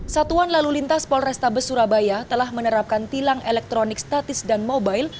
satuan lalu lintas polrestabes surabaya telah menerapkan tilang elektronik statis dan mobile